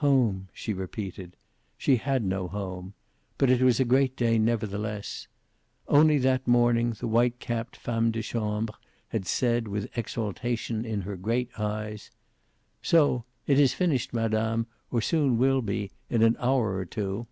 "Home!" she repeated. She had no home. But it was a great day, nevertheless. Only that morning the white capped femme de chambre had said, with exaltation in her great eyes: "So! It is finished, Madame, or soon it will be in an hour or two."